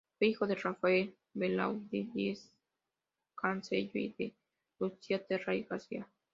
Fue hijo de Rafael Belaunde Diez Canseco y de Lucila Terry García.